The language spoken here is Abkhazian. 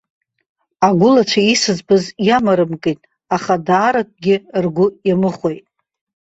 Агәылацәа исыӡбаз иамарымкит, аха дааракгьы ргәы иамыхәеит.